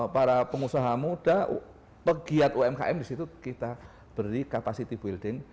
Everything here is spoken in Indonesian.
para pengusaha muda pegiat umkm disitu kita beri kapasiti building